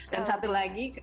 dan satu lagi